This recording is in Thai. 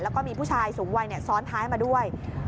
แล้วก็มีผู้ชายสูงวัยซ้อนท้ายมาด้วย